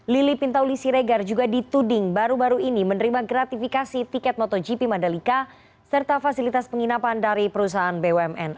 lili pintauli siregar juga dituding baru baru ini menerima gratifikasi tiket motogp mandalika serta fasilitas penginapan dari perusahaan bumn